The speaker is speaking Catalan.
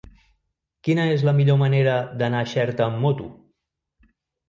Quina és la millor manera d'anar a Xerta amb moto?